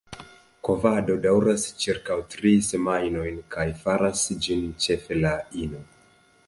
Kovado daŭras ĉirkaŭ tri semajnojn kaj faras ĝin ĉefe la ino.